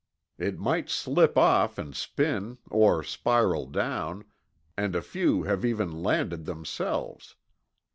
"It might slip off and spin, or spiral down, and a few have even landed themselves.